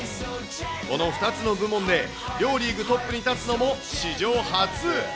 この２つの部門で、両リーグトップに立つのも史上初。